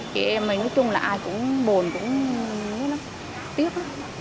chị em mình nói chung là ai cũng buồn cũng tiếc